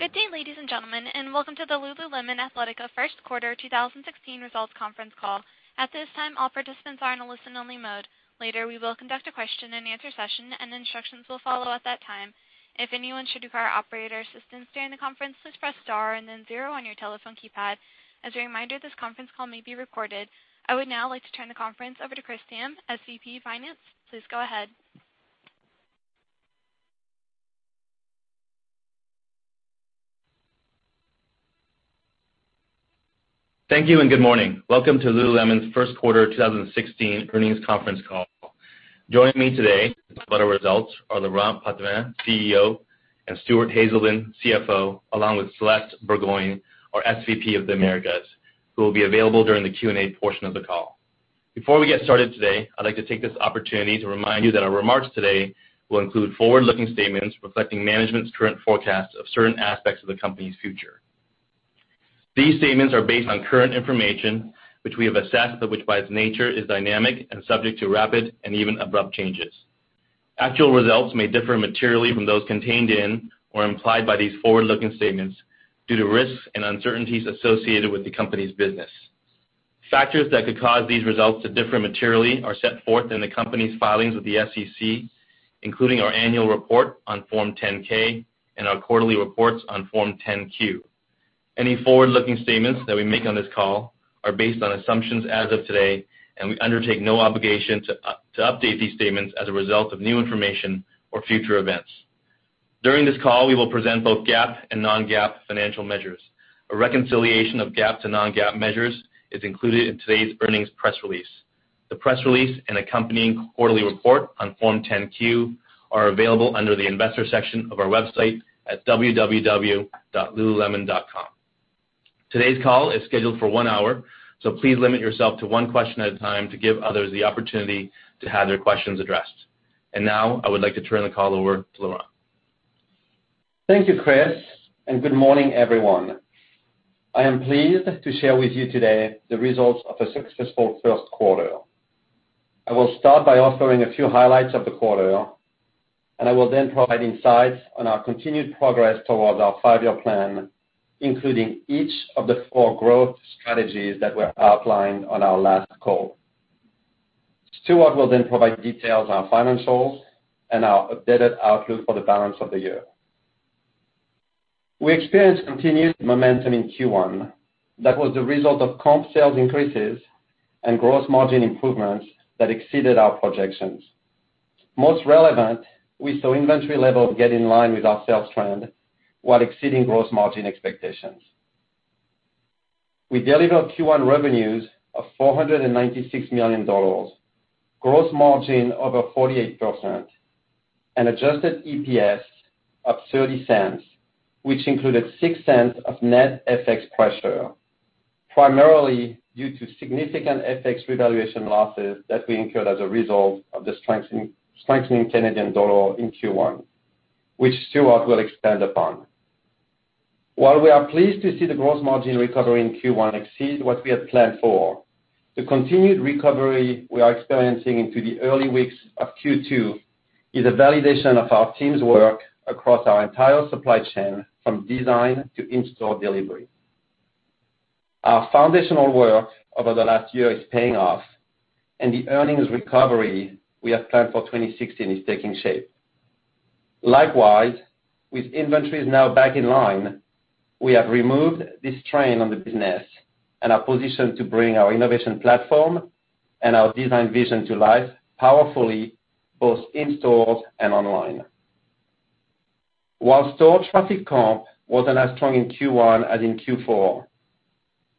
Good day, ladies and gentlemen, welcome to the Lululemon Athletica first quarter 2016 results conference call. At this time, all participants are in a listen only mode. Later, we will conduct a question and answer session, and instructions will follow at that time. If anyone should require operator assistance during the conference, please press star and then zero on your telephone keypad. As a reminder, this conference call may be recorded. I would now like to turn the conference over to Howard Tubin, SVP of Finance. Please go ahead. Thank you, and good morning. Welcome to Lululemon's first quarter 2016 earnings conference call. Joining me today to discuss our results are Laurent Potdevin, CEO, and Stuart Haselden, CFO, along with Celeste Burgoyne, our SVP of the Americas, who will be available during the Q&A portion of the call. Before we get started today, I'd like to take this opportunity to remind you that our remarks today will include forward-looking statements reflecting management's current forecasts of certain aspects of the company's future. These statements are based on current information, which we have assessed, but which by its nature is dynamic and subject to rapid and even abrupt changes. Actual results may differ materially from those contained in or implied by these forward-looking statements due to risks and uncertainties associated with the company's business. Factors that could cause these results to differ materially are set forth in the company's filings with the SEC, including our annual report on Form 10-K and our quarterly reports on Form 10-Q. Any forward-looking statements that we make on this call are based on assumptions as of today, and we undertake no obligation to update these statements as a result of new information or future events. During this call, we will present both GAAP and non-GAAP financial measures. A reconciliation of GAAP to non-GAAP measures is included in today's earnings press release. The press release and accompanying quarterly report on Form 10-Q are available under the investor section of our website at www.lululemon.com. Today's call is scheduled for one hour, so please limit yourself to one question at a time to give others the opportunity to have their questions addressed. Now I would like to turn the call over to Laurent. Thank you, Chris Tam, and good morning, everyone. I am pleased to share with you today the results of a successful first quarter. I will start by offering a few highlights of the quarter, and I will then provide insights on our continued progress towards our five-year plan, including each of the four growth strategies that were outlined on our last call. Stuart will then provide details on our financials and our updated outlook for the balance of the year. We experienced continued momentum in Q1 that was the result of comp sales increases and gross margin improvements that exceeded our projections. Most relevant, we saw inventory levels get in line with our sales trend while exceeding gross margin expectations. We delivered Q1 revenues of $496 million, gross margin of over 48%, and adjusted EPS of $0.30, which included $0.06 of net FX pressure, primarily due to significant FX revaluation losses that we incurred as a result of the strengthening Canadian dollar in Q1, which Stuart will expand upon. While we are pleased to see the gross margin recovery in Q1 exceed what we had planned for, the continued recovery we are experiencing into the early weeks of Q2 is a validation of our team's work across our entire supply chain, from design to in-store delivery. Our foundational work over the last year is paying off, and the earnings recovery we have planned for 2016 is taking shape. Likewise, with inventories now back in line, we have removed this strain on the business and are positioned to bring our innovation platform and our design vision to life powerfully, both in stores and online. While store traffic comp wasn't as strong in Q1 as in Q4,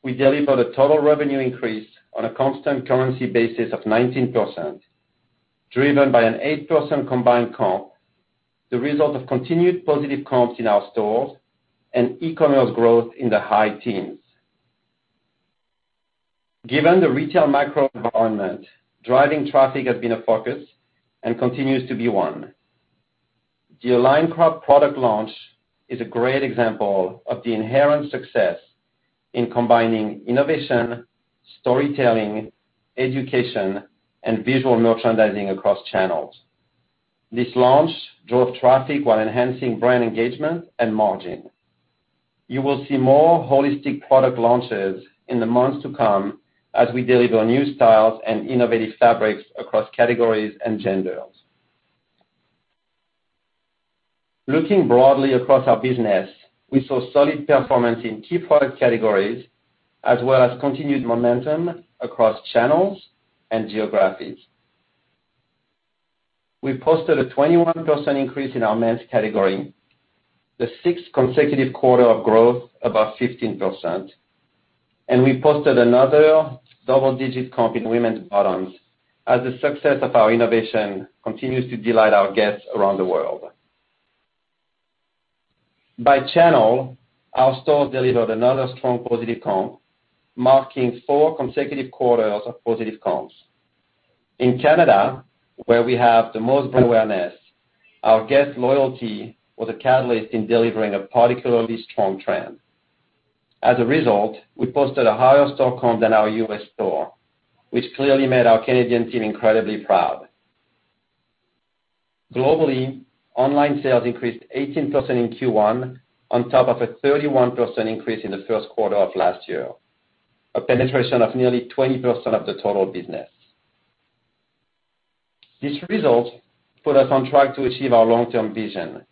we delivered a total revenue increase on a constant currency basis of 19%, driven by an 8% combined comp, the result of continued positive comps in our stores, and e-commerce growth in the high teens. Given the retail macro environment, driving traffic has been a focus and continues to be one. The Align crop product launch is a great example of the inherent success in combining innovation, storytelling, education, and visual merchandising across channels. This launch drove traffic while enhancing brand engagement and margin. You will see more holistic product launches in the months to come as we deliver new styles and innovative fabrics across categories and genders. Looking broadly across our business, we saw solid performance in key product categories as well as continued momentum across channels and geographies. We posted a 21% increase in our men's category, the sixth consecutive quarter of growth above 15%, and we posted another double-digit comp in women's bottoms as the success of our innovation continues to delight our guests around the world. By channel, our stores delivered another strong positive comp, marking four consecutive quarters of positive comps. In Canada, where we have the most brand awareness, our guest loyalty was a catalyst in delivering a particularly strong trend. As a result, we posted a higher store comp than our U.S. store, which clearly made our Canadian team incredibly proud. Globally, online sales increased 18% in Q1 on top of a 31% increase in the first quarter of last year, a penetration of nearly 20% of the total business. These results put us on track to achieve our long-term Vision.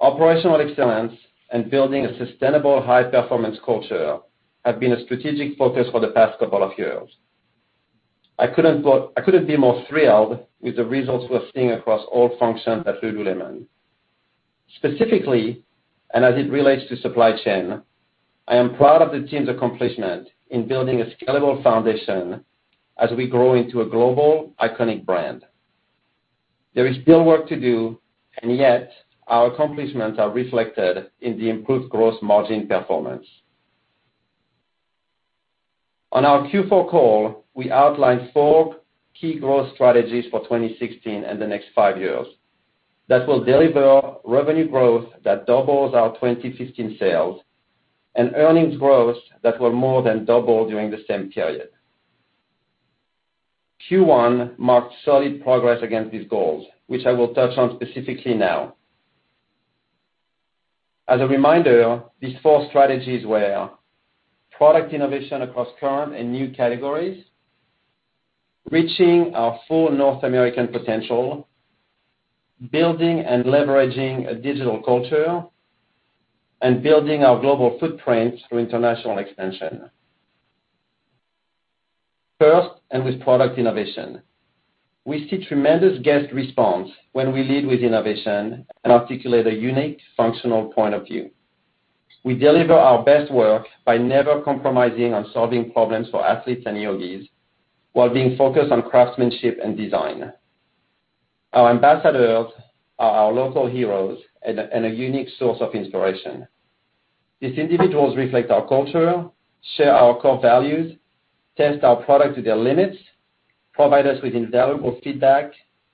Operational excellence and building a sustainable high-performance culture have been a strategic focus for the past couple of years. I couldn't be more thrilled with the results we're seeing across all functions at Lululemon. Specifically, as it relates to supply chain, I am proud of the team's accomplishment in building a scalable foundation as we grow into a global iconic brand. There is still work to do, yet our accomplishments are reflected in the improved gross margin performance. On our Q4 call, we outlined four key growth strategies for 2016 and the next five years that will deliver revenue growth that doubles our 2015 sales and earnings growth that will more than double during the same period. Q1 marked solid progress against these goals, which I will touch on specifically now. As a reminder, these four strategies were product innovation across current and new categories, reaching our full North American potential, building and leveraging a digital culture, and building our global footprint through international expansion. First, with product innovation, we see tremendous guest response when we lead with innovation and articulate a unique functional point of view. We deliver our best work by never compromising on solving problems for athletes and yogis while being focused on craftsmanship and design. Our ambassadors are our local heroes and a unique source of inspiration. These individuals reflect our culture, share our core values, test our products to their limits, provide us with invaluable feedback,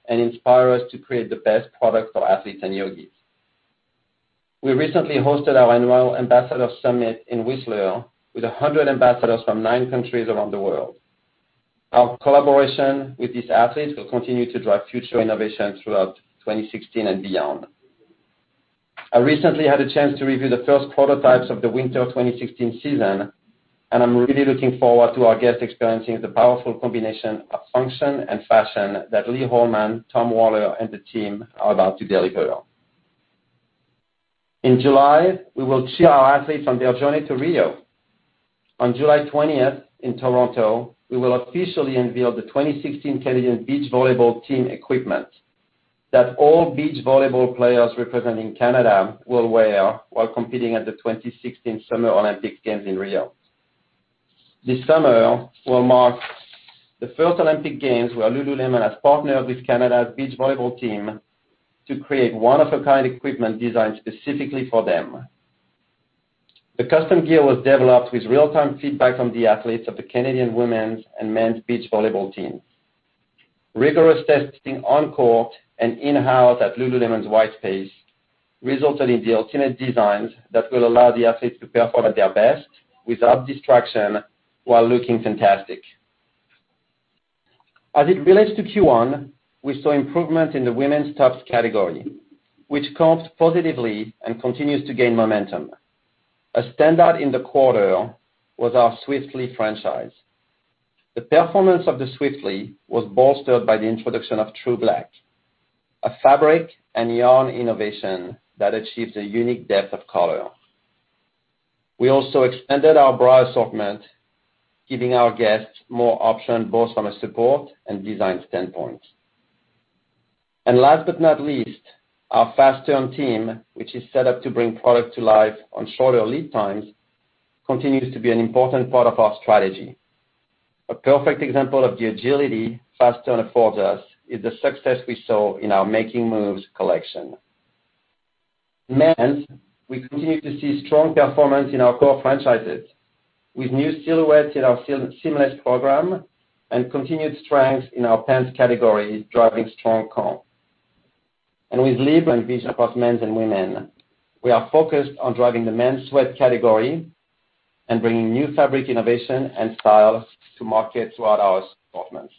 and inspire us to create the best products for athletes and yogis. We recently hosted our annual Ambassador Summit in Whistler with 100 ambassadors from nine countries around the world. Our collaboration with these athletes will continue to drive future innovation throughout 2016 and beyond. I recently had a chance to review the first prototypes of the winter 2016 season, I'm really looking forward to our guests experiencing the powerful combination of function and fashion that Lee Holman, Tom Waller, and the team are about to deliver. In July, we will cheer our athletes on their journey to Rio. On July 20th in Toronto, we will officially unveil the 2016 Canadian beach volleyball team equipment that all beach volleyball players representing Canada will wear while competing at the 2016 Summer Olympic Games in Rio. This summer will mark the first Olympic Games where Lululemon has partnered with Canada's beach volleyball team to create one-of-a-kind equipment designed specifically for them. The custom gear was developed with real-time feedback from the athletes of the Canadian women's and men's beach volleyball teams. Rigorous testing on court and in-house at Lululemon's Whitespace resulted in the ultimate designs that will allow the athletes to perform at their best without distraction while looking fantastic. As it relates to Q1, we saw improvement in the women's tops category, which comped positively and continues to gain momentum. A standout in the quarter was our Swiftly franchise. The performance of the Swiftly was bolstered by the introduction of True Black, a fabric and yarn innovation that achieves a unique depth of color. We also expanded our bra assortment, giving our guests more options both from a support and design standpoint. Last but not least, our fast turn team, which is set up to bring product to life on shorter lead times, continues to be an important part of our strategy. A perfect example of the agility fast turn affords us is the success we saw in our Making Moves collection. Men's, we continue to see strong performance in our core franchises with new silhouettes in our seamless program and continued strength in our pants category, driving strong comp. With Libra and Vision across men's and women, we are focused on driving the men's sweat category and bringing new fabric innovation and styles to market throughout our assortments.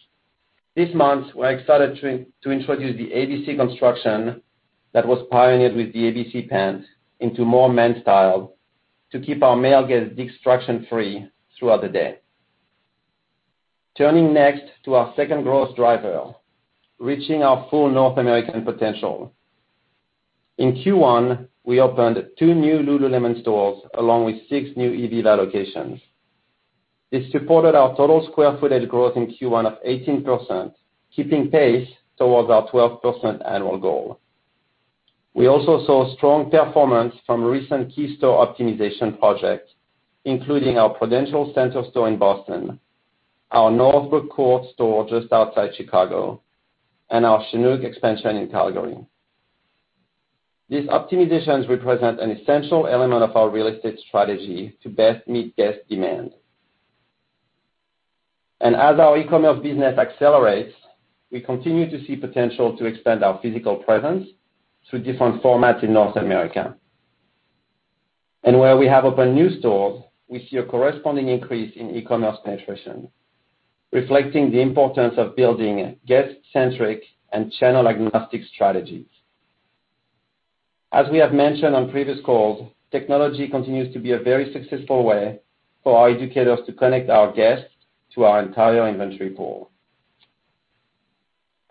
This month, we're excited to introduce the ABC construction that was pioneered with the ABC pants into more men's styles to keep our male guests distraction-free throughout the day. Turning next to our second growth driver, reaching our full North American potential. In Q1, we opened two new Lululemon stores along with six new Ivivva locations. This supported our total square footage growth in Q1 of 18%, keeping pace towards our 12% annual goal. We also saw strong performance from recent key store optimization projects, including our Prudential Center store in Boston, our Northbrook Court store just outside Chicago, and our Chinook expansion in Calgary. These optimizations represent an essential element of our real estate strategy to best meet guest demand. As our e-commerce business accelerates, we continue to see potential to expand our physical presence through different formats in North America. Where we have opened new stores, we see a corresponding increase in e-commerce penetration, reflecting the importance of building guest-centric and channel-agnostic strategies. As we have mentioned on previous calls, technology continues to be a very successful way for our educators to connect our guests to our entire inventory pool.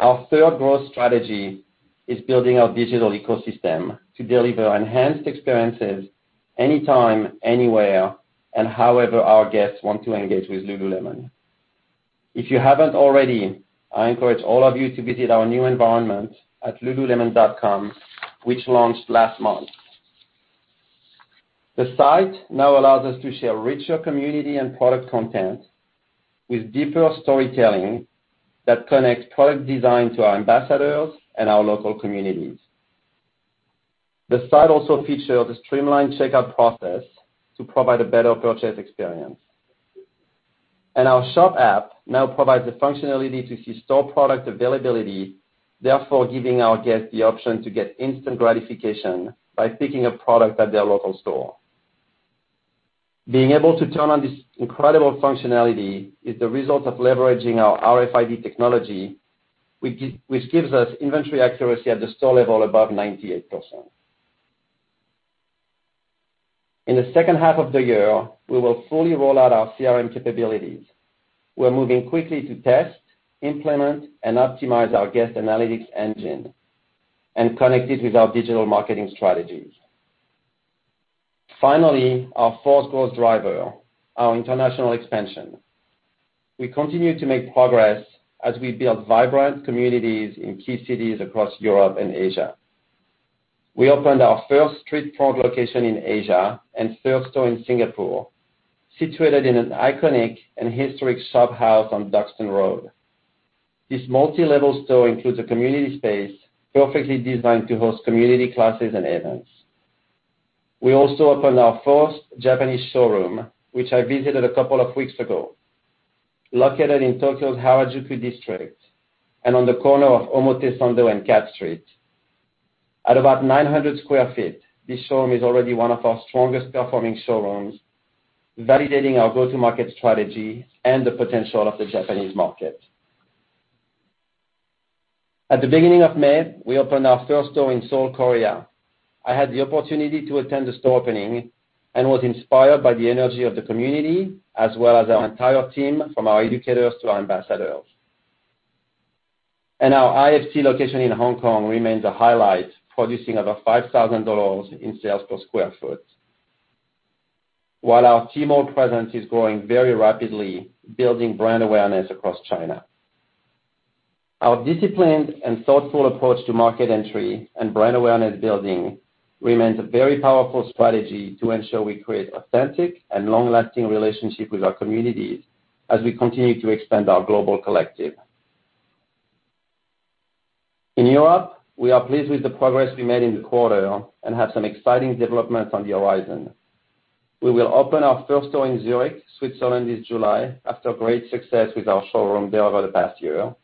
Our third growth strategy is building our digital ecosystem to deliver enhanced experiences anytime, anywhere, and however our guests want to engage with lululemon. If you haven't already, I encourage all of you to visit our new environment at lululemon.com, which launched last month. The site now allows us to share richer community and product content with deeper storytelling that connects product design to our ambassadors and our local communities. The site also features a streamlined checkout process to provide a better purchase experience. Our shop app now provides the functionality to see store product availability, therefore giving our guests the option to get instant gratification by picking a product at their local store. Being able to turn on this incredible functionality is the result of leveraging our RFID technology, which gives us inventory accuracy at the store level above 98%. In the second half of the year, we will fully roll out our CRM capabilities. We're moving quickly to test, implement, and optimize our guest analytics engine and connect it with our digital marketing strategies. Finally, our fourth growth driver, our international expansion. We continue to make progress as we build vibrant communities in key cities across Europe and Asia. We opened our first street front location in Asia and third store in Singapore, situated in an iconic and historic shophouse on Duxton Road. This multi-level store includes a community space perfectly designed to host community classes and events. We also opened our fourth Japanese showroom, which I visited a couple of weeks ago. Located in Tokyo's Harajuku district and on the corner of Omotesando and Cat Street. At about 900 sq ft, this showroom is already one of our strongest performing showrooms, validating our go-to-market strategy and the potential of the Japanese market. At the beginning of May, we opened our first store in Seoul, Korea. I had the opportunity to attend the store opening and was inspired by the energy of the community, as well as our entire team, from our educators to our ambassadors. Our IFC location in Hong Kong remains a highlight, producing over $5,000 in sales per sq ft. While our Tmall presence is growing very rapidly, building brand awareness across China. Our disciplined and thoughtful approach to market entry and brand awareness building remains a very powerful strategy to ensure we create authentic and long-lasting relationships with our communities as we continue to expand our global collective. In Europe, we are pleased with the progress we made in the quarter and have some exciting developments on the horizon. We will open our first store in Zurich, Switzerland, this July after great success with our showroom there over the past year.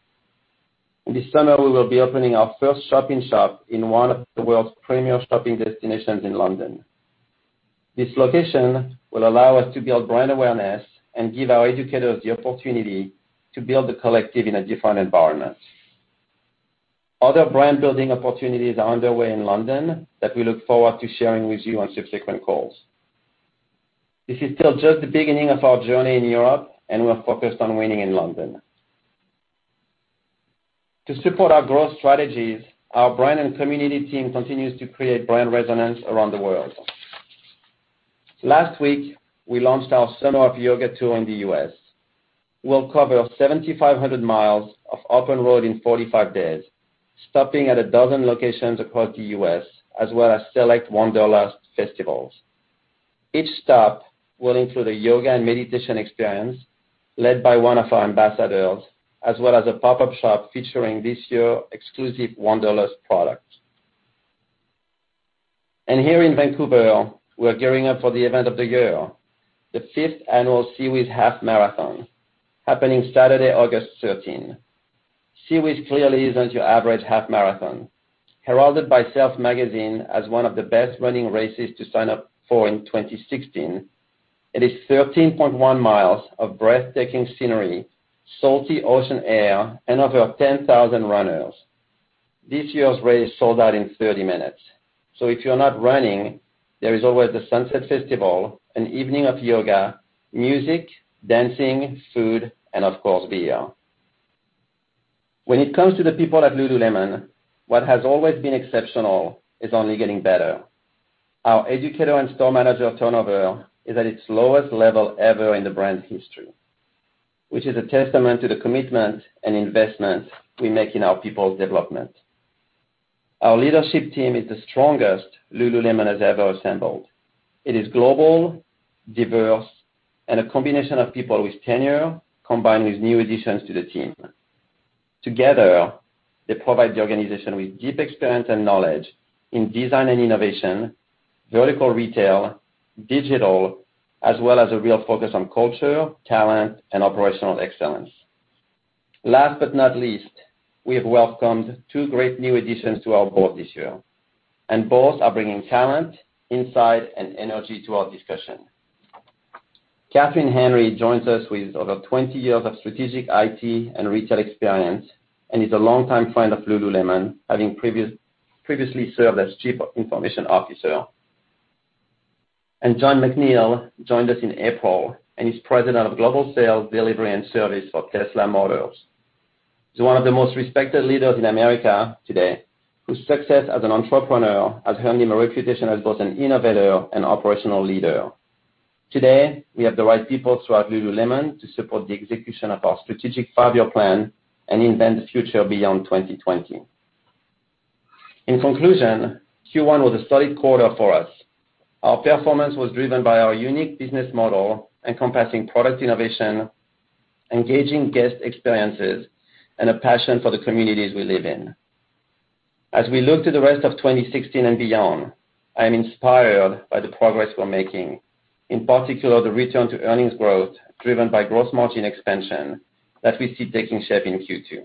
This summer, we will be opening our first shop-in-shop in one of the world's premier shopping destinations in London. This location will allow us to build brand awareness and give our educators the opportunity to build the collective in a different environment. Other brand-building opportunities are underway in London that we look forward to sharing with you on subsequent calls. This is still just the beginning of our journey in Europe, and we're focused on winning in London. To support our growth strategies, our brand and community team continues to create brand resonance around the world. Last week, we launched our Summer of Yoga tour in the U.S. We'll cover 7,500 miles of open road in 45 days, stopping at a dozen locations across the U.S., as well as select Wanderlust festivals. Each stop will include a yoga and meditation experience led by one of our ambassadors, as well as a pop-up shop featuring this year's exclusive Wanderlust products. Here in Vancouver, we're gearing up for the event of the year, the fifth annual SeaWheeze Half Marathon, happening Saturday, August 13. SeaWheeze clearly isn't your average half marathon. Heralded by "Self" as one of the best running races to sign up for in 2016. It is 13.1 miles of breathtaking scenery, salty ocean air, and over 10,000 runners. This year's race sold out in 30 minutes. If you're not running, there is always the Sunset Festival, an evening of yoga, music, dancing, food, and of course, beer. When it comes to the people at Lululemon, what has always been exceptional is only getting better. Our educator and store manager turnover is at its lowest level ever in the brand's history, which is a testament to the commitment and investment we make in our people development. Our leadership team is the strongest Lululemon has ever assembled. It is global, diverse, and a combination of people with tenure, combined with new additions to the team. Together, they provide the organization with deep experience and knowledge in design and innovation, vertical retail, digital, as well as a real focus on culture, talent, and operational excellence. Last but not least, we have welcomed two great new additions to our board this year, and both are bringing talent, insight, and energy to our discussion. Kathryn Henry joins us with over 20 years of strategic IT and retail experience and is a long-time friend of Lululemon, having previously served as chief information officer. Jon McNeill joined us in April and is President of Global Sales, Delivery, and Service for Tesla, Inc. He's one of the most respected leaders in America today, whose success as an entrepreneur has earned him a reputation as both an innovator and operational leader. Today, we have the right people throughout Lululemon to support the execution of our strategic five-year plan and invent the future beyond 2020. In conclusion, Q1 was a solid quarter for us. Our performance was driven by our unique business model encompassing product innovation, engaging guest experiences, and a passion for the communities we live in. As we look to the rest of 2016 and beyond, I am inspired by the progress we're making, in particular, the return to earnings growth driven by gross margin expansion that we see taking shape in Q2.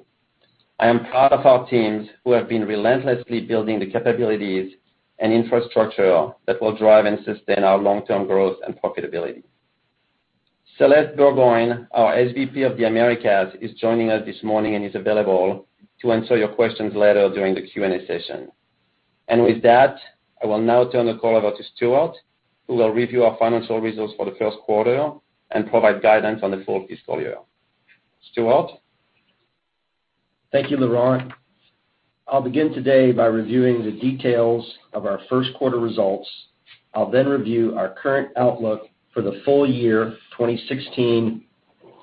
I am proud of our teams who have been relentlessly building the capabilities and infrastructure that will drive and sustain our long-term growth and profitability. Celeste Burgoyne, our SVP of the Americas is joining us this morning and is available to answer your questions later during the Q&A session. With that, I will now turn the call over to Stuart, who will review our financial results for the first quarter and provide guidance on the full fiscal year. Stuart? Thank you, Laurent. I'll begin today by reviewing the details of our first quarter results. I'll then review our current outlook for the full year 2016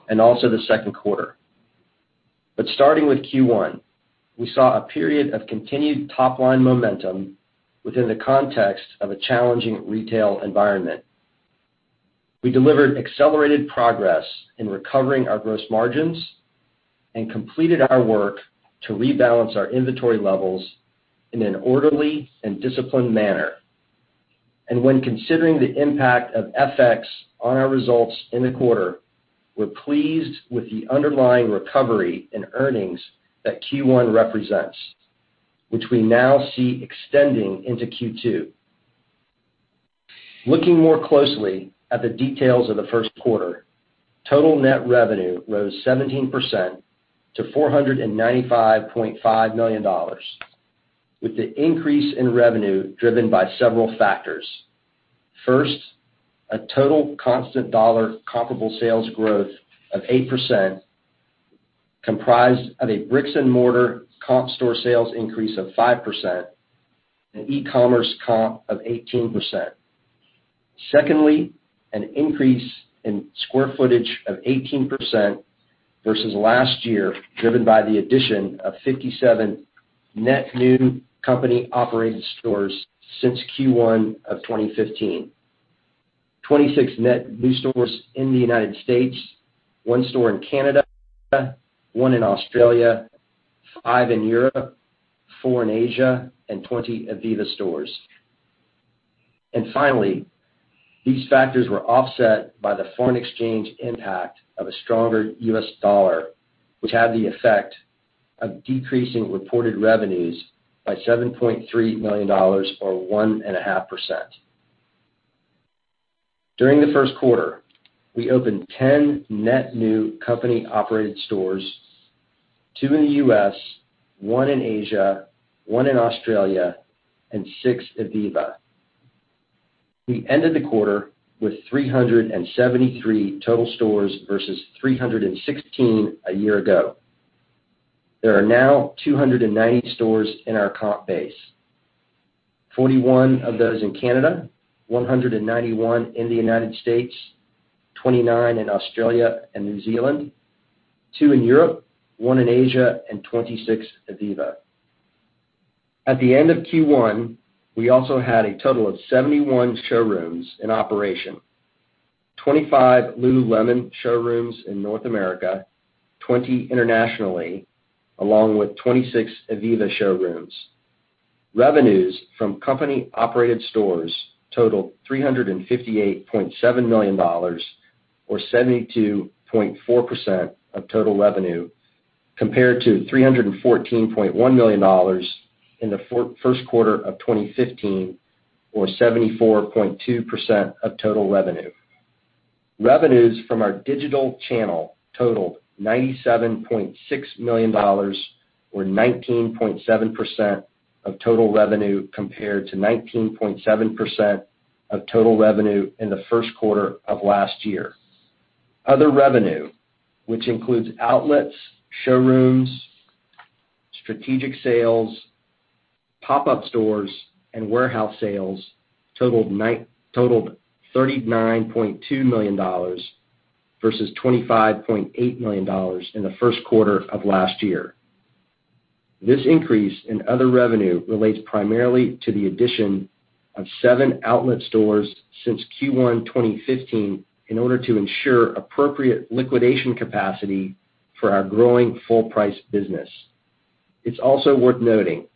and also the second quarter. Starting with Q1, we saw a period of continued top-line momentum within the context of a challenging retail environment. We delivered accelerated progress in recovering our gross margins and completed our work to rebalance our inventory levels in an orderly and disciplined manner. When considering the impact of FX on our results in the quarter, we're pleased with the underlying recovery in earnings that Q1 represents, which we now see extending into Q2. Looking more closely at the details of the first quarter, total net revenue rose 17% to $495.5 million, with the increase in revenue driven by several factors. First, a total constant dollar comparable sales growth of 8%, comprised of a bricks-and-mortar comp store sales increase of 5% and e-commerce comp of 18%. Secondly, an increase in square footage of 18% versus last year, driven by the addition of 57 net new company-operated stores since Q1 of 2015. 26 net new stores in the U.S., one store in Canada, one in Australia, five in Europe, four in Asia, and 20 Ivivva stores. Finally, these factors were offset by the foreign exchange impact of a stronger U.S. dollar, which had the effect of decreasing reported revenues by $7.3 million, or 1.5%. During the first quarter, we opened 10 net new company-operated stores, two in the U.S., one in Asia, one in Australia, and six Ivivva. We ended the quarter with 373 total stores versus 316 a year ago. There are now 290 stores in our comp base. 41 of those in Canada, 191 in the U.S., 29 in Australia and New Zealand, two in Europe, one in Asia, and 26 Ivivva. At the end of Q1, we also had a total of 71 showrooms in operation, 25 Lululemon showrooms in North America, 20 internationally, along with 26 Ivivva showrooms. Revenues from company-operated stores totaled $358.7 million, or 72.4% of total revenue, compared to $314.1 million in the first quarter of 2015, or 74.2% of total revenue. Revenues from our digital channel totaled $97.6 million, or 19.7% of total revenue, compared to 19.7% of total revenue in the first quarter of last year. Other revenue, which includes outlets, showrooms, strategic sales, pop-up stores, and warehouse sales, totaled $39.2 million versus $25.8 million in the first quarter of last year. This increase in other revenue relates primarily to the addition of seven outlet stores since Q1 2015 in order to ensure appropriate liquidation capacity for our growing full-price business. It's also worth noting that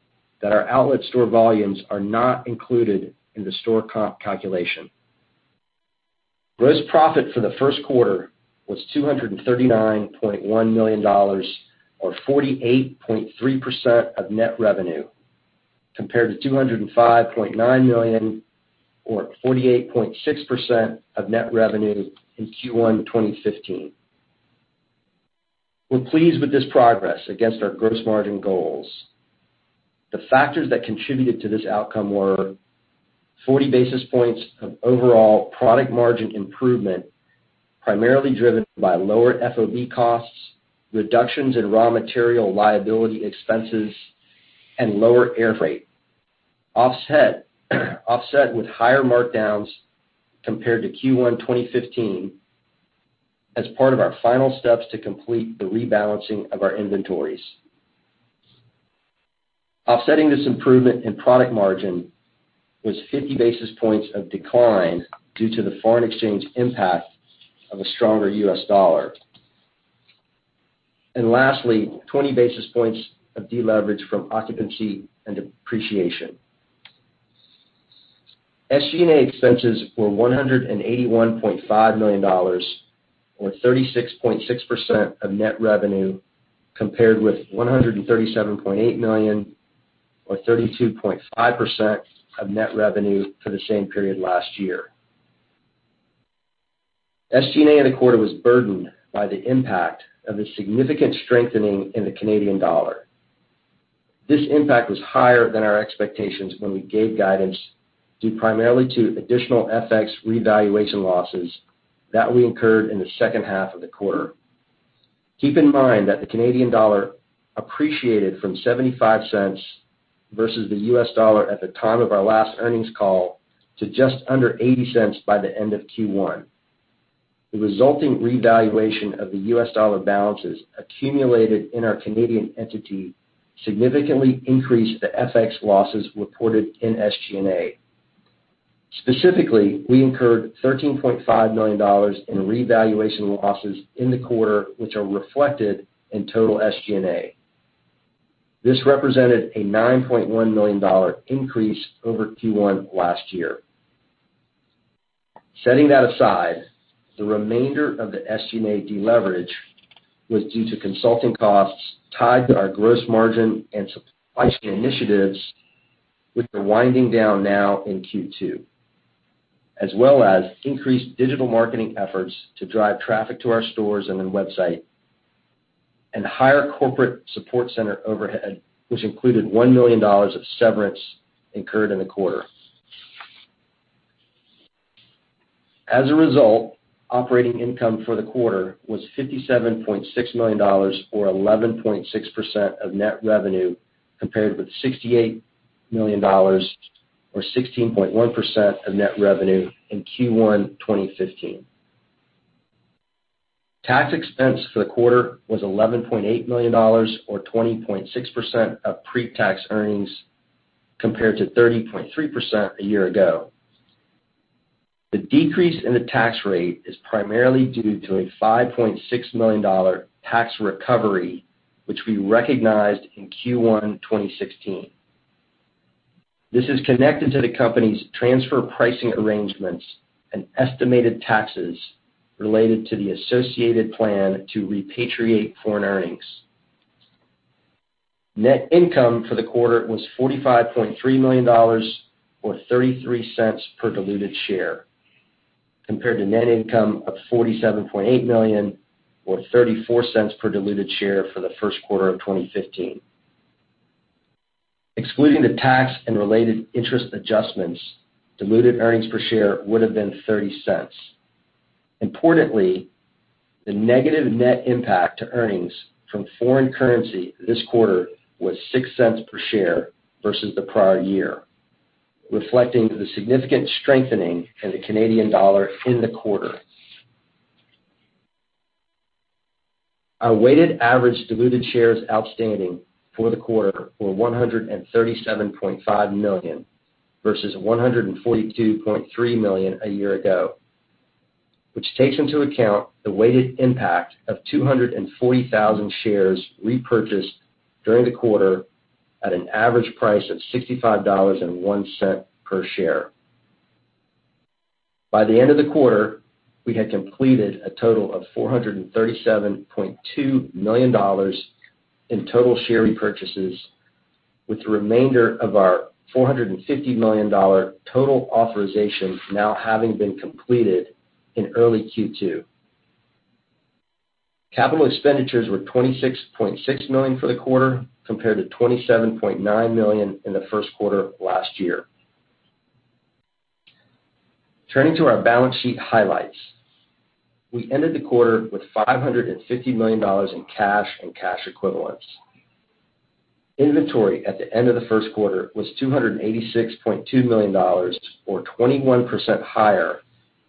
our outlet store volumes are not included in the store comp calculation. Gross profit for the first quarter was $239.1 million, or 48.3% of net revenue, compared to $205.9 million, or 48.6% of net revenue in Q1 2015. We're pleased with this progress against our gross margin goals. The factors that contributed to this outcome were 40 basis points of overall product margin improvement, primarily driven by lower FOB costs, reductions in raw material liability expenses, and lower air freight. Offset with higher markdowns compared to Q1 2015 as part of our final steps to complete the rebalancing of our inventories. Offsetting this improvement in product margin was 50 basis points of decline due to the foreign exchange impact of a stronger U.S. dollar. Lastly, 20 basis points of deleverage from occupancy and depreciation. SG&A expenses were $181.5 million, or 36.6% of net revenue, compared with $137.8 million, or 32.5% of net revenue for the same period last year. SG&A in the quarter was burdened by the impact of the significant strengthening in the Canadian dollar. This impact was higher than our expectations when we gave guidance due primarily to additional FX revaluation losses that we incurred in the second half of the quarter. Keep in mind that the Canadian dollar appreciated from $0.75 versus the U.S. dollar at the time of our last earnings call to just under $0.80 by the end of Q1. The resulting revaluation of the U.S. dollar balances accumulated in our Canadian entity significantly increased the FX losses reported in SG&A. Specifically, we incurred $13.5 million in revaluation losses in the quarter, which are reflected in total SG&A. This represented a $9.1 million increase over Q1 last year. Setting that aside, the remainder of the SG&A deleverage was due to consulting costs tied to our gross margin and supply chain initiatives, which we're winding down now in Q2, as well as increased digital marketing efforts to drive traffic to our stores and then website, and higher corporate support center overhead, which included $1 million of severance incurred in the quarter. As a result, operating income for the quarter was $57.6 million, or 11.6% of net revenue, compared with $68 million, or 16.1% of net revenue in Q1 2015. Tax expense for the quarter was $11.8 million or 20.6% of pre-tax earnings, compared to 30.3% a year ago. The decrease in the tax rate is primarily due to a $5.6 million tax recovery, which we recognized in Q1 2016. This is connected to the company's transfer pricing arrangements and estimated taxes related to the associated plan to repatriate foreign earnings. Net income for the quarter was $45.3 million, or $0.33 per diluted share, compared to net income of $47.8 million, or $0.34 per diluted share for the first quarter of 2015. Excluding the tax and related interest adjustments, diluted earnings per share would have been $0.30. Importantly, the negative net impact to earnings from foreign currency this quarter was $0.06 per share versus the prior year, reflecting the significant strengthening in the Canadian dollar in the quarter. Our weighted average diluted shares outstanding for the quarter were 137.5 million versus 142.3 million a year ago, which takes into account the weighted impact of 240,000 shares repurchased during the quarter at an average price of $65.01 per share. By the end of the quarter, we had completed a total of $437.2 million in total share repurchases, with the remainder of our $450 million total authorization now having been completed in early Q2. Capital expenditures were $26.6 million for the quarter compared to $27.9 million in the first quarter of last year. Turning to our balance sheet highlights. We ended the quarter with $550 million in cash and cash equivalents. Inventory at the end of the first quarter was $286.2 million, or 21% higher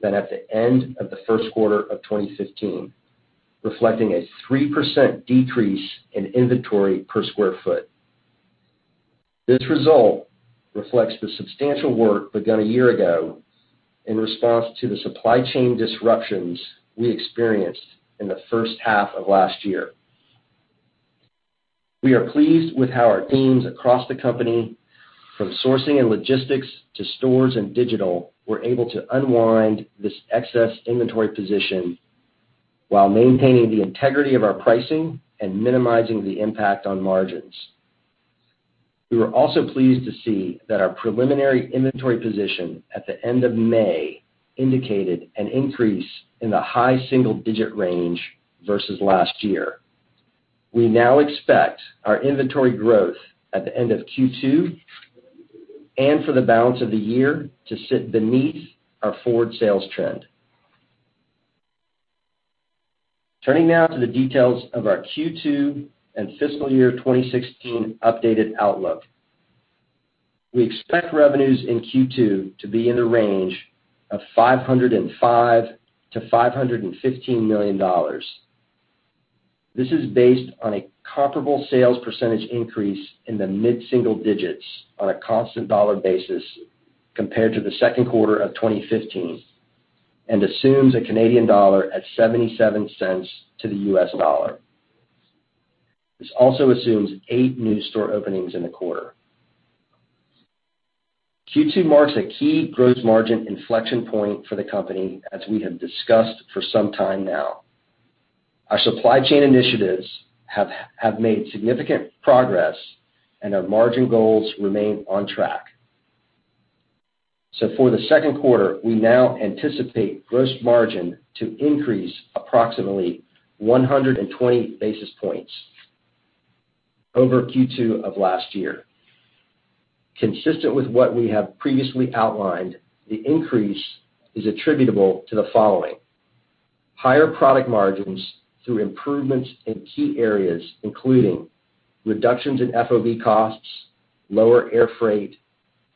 than at the end of the first quarter of 2015, reflecting a 3% decrease in inventory per square foot. This result reflects the substantial work begun a year ago in response to the supply chain disruptions we experienced in the first half of last year. We are pleased with how our teams across the company, from sourcing and logistics to stores and digital, were able to unwind this excess inventory position while maintaining the integrity of our pricing and minimizing the impact on margins. We were also pleased to see that our preliminary inventory position at the end of May indicated an increase in the high single-digit range versus last year. We now expect our inventory growth at the end of Q2 and for the balance of the year to sit beneath our forward sales trend. Turning now to the details of our Q2 and fiscal year 2016 updated outlook. We expect revenues in Q2 to be in the range of $505 million-$515 million. This is based on a comparable sales percentage increase in the mid-single digits on a constant dollar basis compared to the second quarter of 2015 and assumes a Canadian dollar at $0.77 to the U.S. dollar. This also assumes eight new store openings in the quarter. Q2 marks a key gross margin inflection point for the company, as we have discussed for some time now. Our supply chain initiatives have made significant progress, and our margin goals remain on track. For the second quarter, we now anticipate gross margin to increase approximately 120 basis points over Q2 of last year. Consistent with what we have previously outlined, the increase is attributable to the following. Higher product margins through improvements in key areas, including reductions in FOB costs, lower air freight,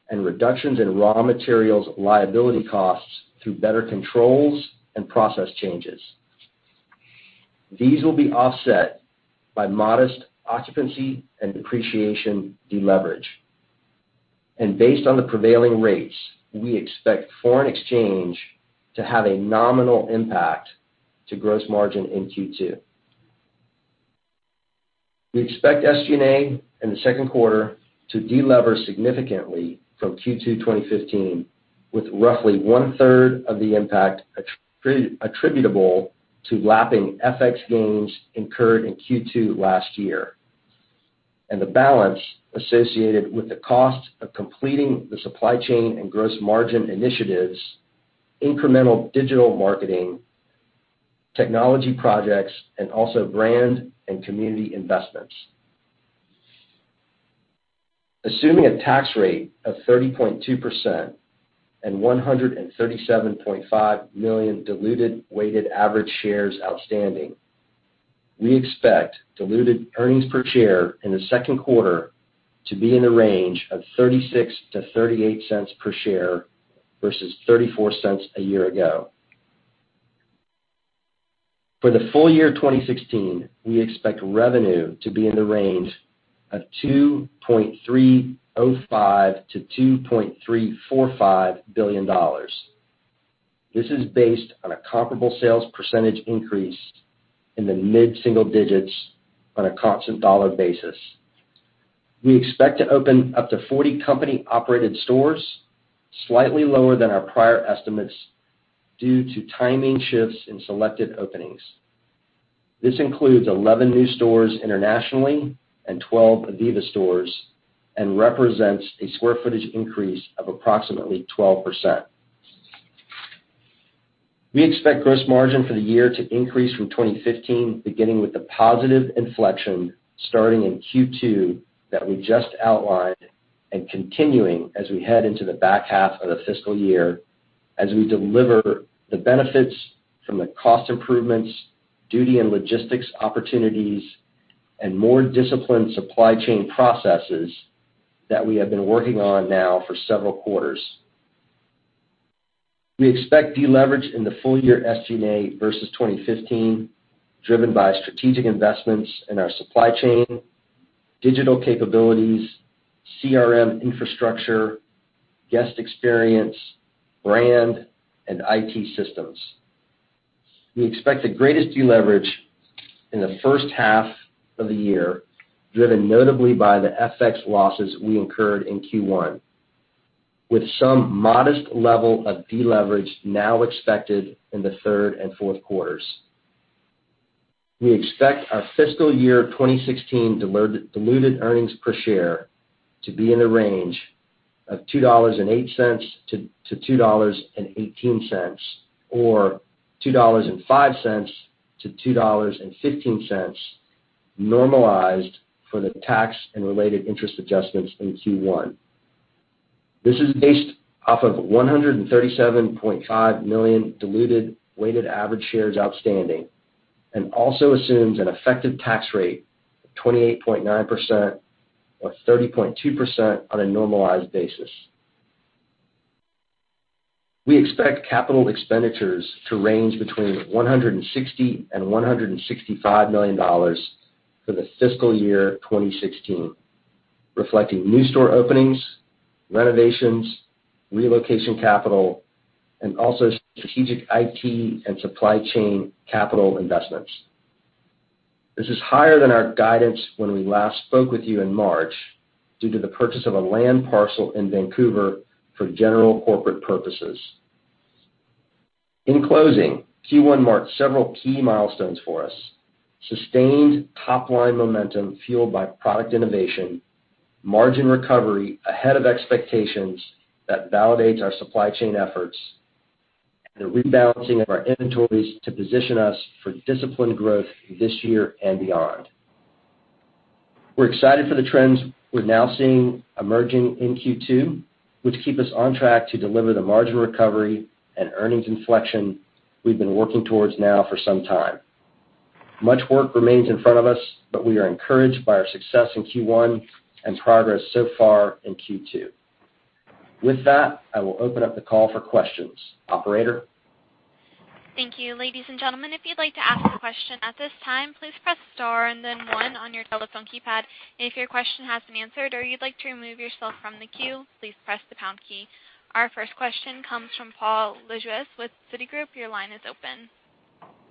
and reductions in raw materials liability costs through better controls and process changes. These will be offset by modest occupancy and depreciation deleverage. Based on the prevailing rates, we expect foreign exchange to have a nominal impact to gross margin in Q2. We expect SG&A in the second quarter to delever significantly from Q2 2015, with roughly one-third of the impact attributable to lapping FX gains incurred in Q2 last year, and the balance associated with the cost of completing the supply chain and gross margin initiatives, incremental digital marketing, technology projects, and also brand and community investments. Assuming a tax rate of 30.2% and 137.5 million diluted weighted average shares outstanding, we expect diluted earnings per share in the second quarter to be in the range of $0.36-$0.38 per share versus $0.34 a year ago. For the full year 2016, we expect revenue to be in the range of $2.305 billion-$2.345 billion. This is based on a comparable sales percentage increase in the mid-single digits on a constant dollar basis. We expect to open up to 40 company-operated stores, slightly lower than our prior estimates due to timing shifts in selected openings. This includes 11 new stores internationally and 12 Ivivva stores and represents a square footage increase of approximately 12%. We expect gross margin for the year to increase from 2015, beginning with the positive inflection starting in Q2 that we just outlined and continuing as we head into the back half of the fiscal year as we deliver the benefits from the cost improvements, duty and logistics opportunities, and more disciplined supply chain processes that we have been working on now for several quarters. We expect deleverage in the full year SG&A versus 2015, driven by strategic investments in our supply chain, digital capabilities, CRM infrastructure, guest experience, brand, and IT systems. We expect the greatest deleverage in the first half of the year, driven notably by the FX losses we incurred in Q1, with some modest level of deleverage now expected in the third and fourth quarters. We expect our fiscal year 2016 diluted earnings per share to be in the range of $2.08-$2.18, or $2.05-$2.15, normalized for the tax and related interest adjustments in Q1. This is based off of 137.5 million diluted weighted average shares outstanding and also assumes an effective tax rate of 28.9%, or 30.2% on a normalized basis. We expect capital expenditures to range between $160 million-$165 million for the fiscal year 2016. Reflecting new store openings, renovations, relocation capital, and also strategic IT and supply chain capital investments. This is higher than our guidance when we last spoke with you in March due to the purchase of a land parcel in Vancouver for general corporate purposes. In closing, Q1 marked several key milestones for us. Sustained top-line momentum fueled by product innovation, margin recovery ahead of expectations that validates our supply chain efforts, and the rebalancing of our inventories to position us for disciplined growth this year and beyond. We're excited for the trends we're now seeing emerging in Q2, which keep us on track to deliver the margin recovery and earnings inflection we've been working towards now for some time. Much work remains in front of us, but we are encouraged by our success in Q1 and progress so far in Q2. With that, I will open up the call for questions. Operator? Thank you. Ladies and gentlemen, if you'd like to ask a question at this time, please press star and then one on your telephone keypad. If your question hasn't been answered or you'd like to remove yourself from the queue, please press the pound key. Our first question comes from Paul Lejuez with Citigroup. Your line is open.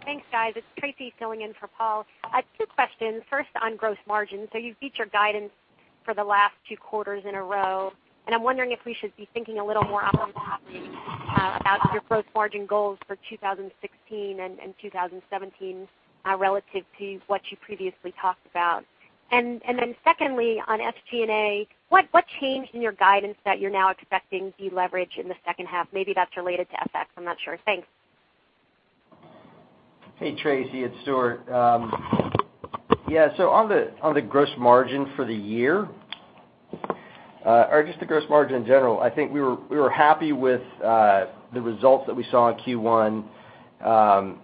Thanks, guys. It's Tracy filling in for Paul. I have two questions, first on gross margin. You've beat your guidance for the last two quarters in a row, I'm wondering if we should be thinking a little more optimistically about your gross margin goals for 2016 and 2017 relative to what you previously talked about. Secondly, on SG&A, what changed in your guidance that you're now expecting deleverage in the second half? Maybe that's related to FX, I'm not sure. Thanks. Hey, Tracy. It's Stuart. On the gross margin for the year or just the gross margin in general, I think we were happy with the results that we saw in Q1.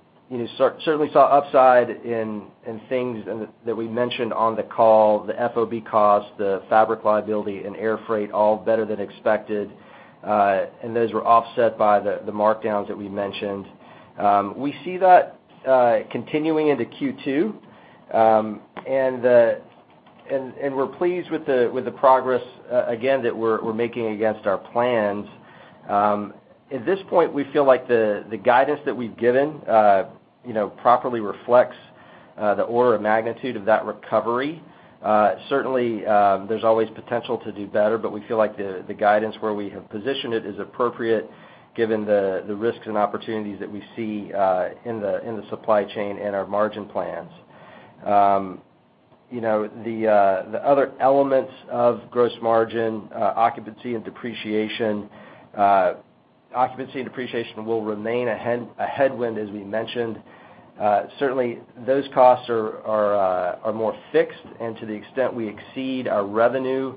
Certainly saw upside in things that we mentioned on the call, the FOB cost, the fabric liability and air freight, all better than expected. Those were offset by the markdowns that we mentioned. We see that continuing into Q2, and we're pleased with the progress, again, that we're making against our plans. At this point, we feel like the guidance that we've given properly reflects the order of magnitude of that recovery. Certainly, there's always potential to do better, but we feel like the guidance where we have positioned it is appropriate given the risks and opportunities that we see in the supply chain and our margin plans. The other elements of gross margin, occupancy and depreciation. Occupancy and depreciation will remain a headwind, as we mentioned. Certainly, those costs are more fixed, and to the extent we exceed our revenue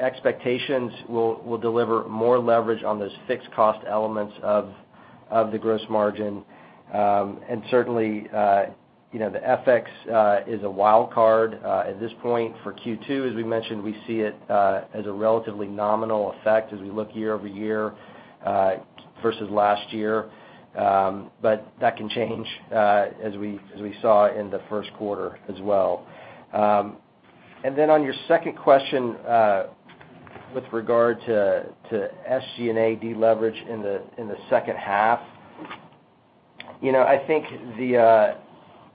expectations, we'll deliver more leverage on those fixed cost elements of the gross margin. Certainly, the FX is a wild card at this point for Q2. As we mentioned, we see it as a relatively nominal effect as we look year-over-year versus last year. That can change, as we saw in the first quarter as well. On your second question with regard to SG&A deleverage in the second half. I think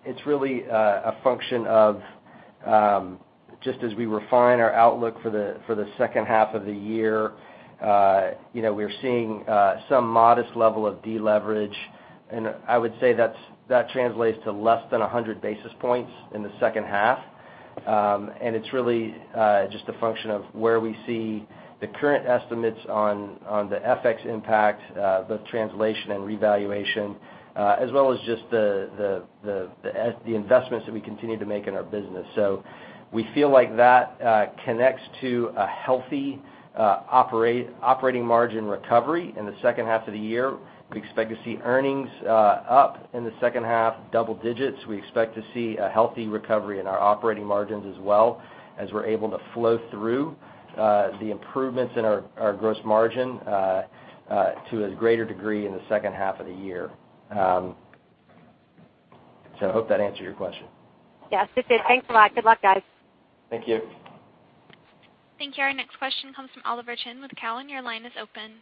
it's really a function of just as we refine our outlook for the second half of the year, we're seeing some modest level of deleverage. I would say that translates to less than 100 basis points in the second half. It's really just a function of where we see the current estimates on the FX impact, both translation and revaluation, as well as just the investments that we continue to make in our business. We feel like that connects to a healthy operating margin recovery in the second half of the year. We expect to see earnings up in the second half, double digits. We expect to see a healthy recovery in our operating margins as well as we're able to flow through the improvements in our gross margin to a greater degree in the second half of the year. I hope that answered your question. Yes, it did. Thanks a lot. Good luck, guys. Thank you. Thank you. Our next question comes from Oliver Chen with Cowen. Your line is open.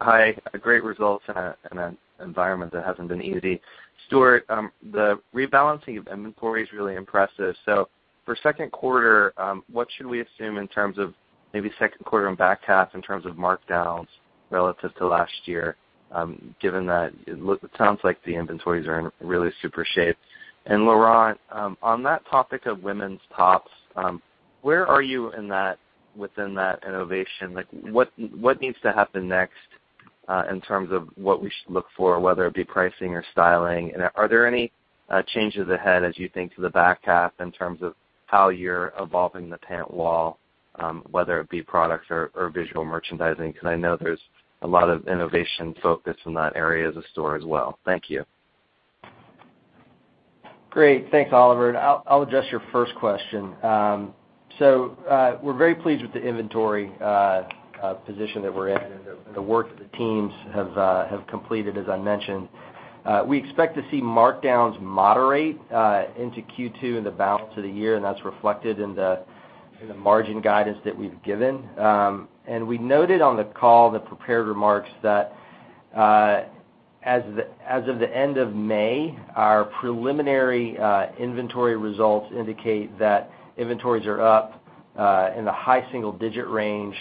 Hi. Great results in an environment that hasn't been easy. Stuart, the rebalancing of inventory is really impressive. For second quarter, what should we assume in terms of maybe second quarter and back half in terms of markdowns relative to last year, given that it sounds like the inventories are in really super shape. Laurent, on that topic of women's tops, where are you within that innovation? What needs to happen next in terms of what we should look for, whether it be pricing or styling? Are there any changes ahead as you think to the back half in terms of how you're evolving the pant wall whether it be product or visual merchandising? Because I know there's a lot of innovation focus in that area of the store as well. Thank you. Great. Thanks, Oliver. I'll address your first question. We're very pleased with the inventory position that we're in and the work that the teams have completed, as I mentioned. We expect to see markdowns moderate into Q2 and the balance of the year, and that's reflected in the margin guidance that we've given. We noted on the call, the prepared remarks, that as of the end of May, our preliminary inventory results indicate that inventories are up in the high single-digit range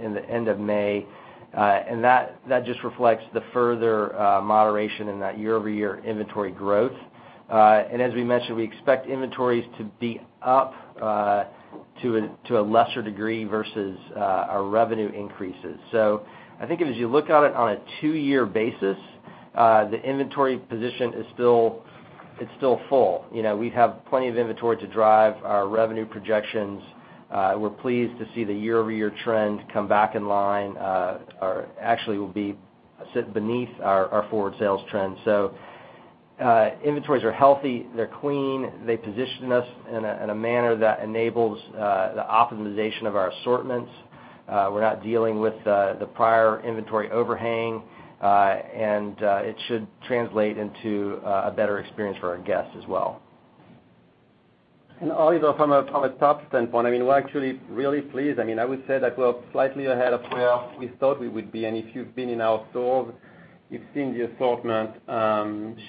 in the end of May. That just reflects the further moderation in that year-over-year inventory growth. As we mentioned, we expect inventories to be up to a lesser degree versus our revenue increases. I think if as you look at it on a two-year basis, the inventory position is still full. We have plenty of inventory to drive our revenue projections. We're pleased to see the year-over-year trend come back in line or actually will be sit beneath our forward sales trend. Inventories are healthy. They're clean. They position us in a manner that enables the optimization of our assortments. We're not dealing with the prior inventory overhang. It should translate into a better experience for our guests as well. Oliver, from a top standpoint, we're actually really pleased. I would say that we're slightly ahead of where we thought we would be. If you've been in our stores, you've seen the assortment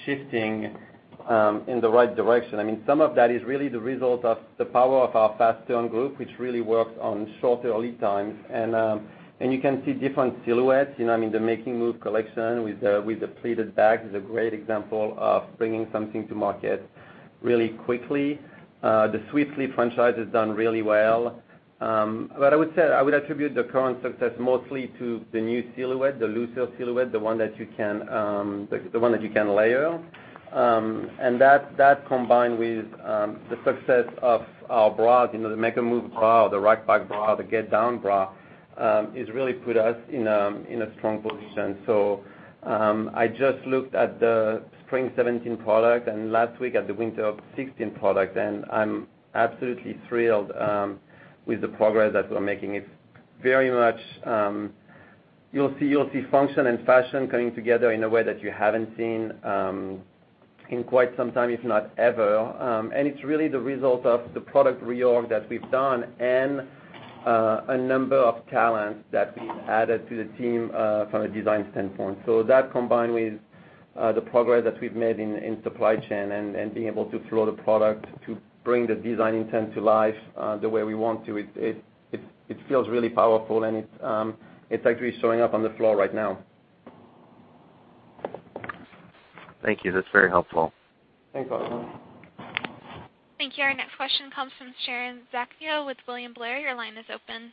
shifting in the right direction. Some of that is really the result of the power of our fast turn group, which really works on shorter lead times. You can see different silhouettes. The Make a Move collection with the pleated back is a great example of bringing something to market really quickly. The Swiftly franchise has done really well. I would attribute the current success mostly to the new silhouette, the looser silhouette, the one that you can layer. That combined with the success of our bras, the Make a Move bra, the Rock Back bra, the Get Down bra, has really put us in a strong position. I just looked at the spring 2017 product and last week at the winter of 2016 product, I'm absolutely thrilled with the progress that we're making. You'll see function and fashion coming together in a way that you haven't seen in quite some time, if not ever. It's really the result of the product reorg that we've done and a number of talents that we've added to the team from a design standpoint. That combined with the progress that we've made in supply chain and being able to flow the product to bring the design intent to life the way we want to, it feels really powerful and it's actually showing up on the floor right now. Thank you. That's very helpful. Thanks, Oliver. Thank you. Our next question comes from Sharon Zackfia with William Blair. Your line is open.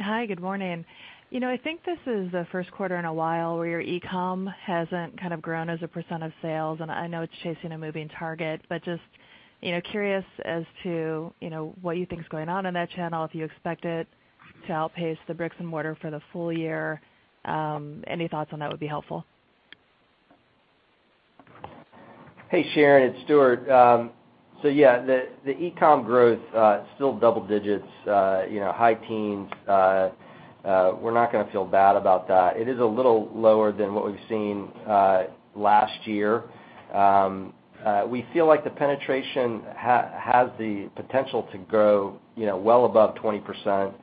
Hi. Good morning. I think this is the first quarter in a while where your e-com hasn't grown as a % of sales, and I know it's chasing a moving target, but just curious as to what you think is going on in that channel, if you expect it to outpace the bricks and mortar for the full year. Any thoughts on that would be helpful. Hey, Sharon, it's Stuart. Yeah, the e-com growth, still double digits, high teens. We're not going to feel bad about that. It is a little lower than what we've seen last year. We feel like the penetration has the potential to grow well above 20%,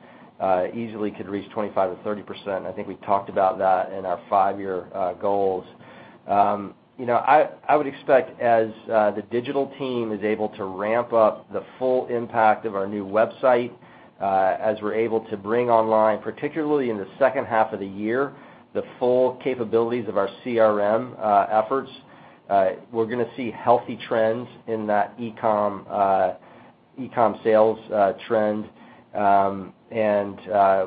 easily could reach 25%-30%. I think we talked about that in our five-year goals. I would expect as the digital team is able to ramp up the full impact of our new website, as we're able to bring online, particularly in the second half of the year, the full capabilities of our CRM efforts, we're going to see healthy trends in that e-com sales trend.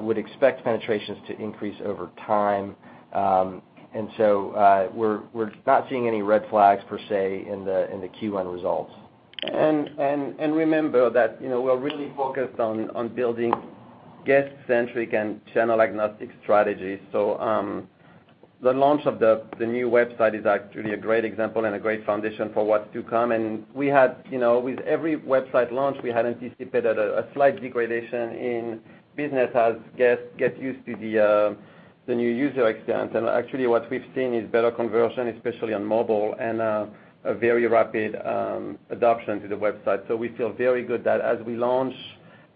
Would expect penetrations to increase over time. We're not seeing any red flags per se in the Q1 results. Remember that we're really focused on building guest-centric and channel-agnostic strategies. The launch of the new website is actually a great example and a great foundation for what's to come. With every website launch, we had anticipated a slight degradation in business as guests get used to the new user experience. Actually what we've seen is better conversion, especially on mobile, and a very rapid adoption to the website. We feel very good that as we launch